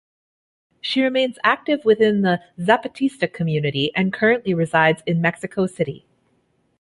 She remains active within the Zapatista community and currently resides in Mexico City.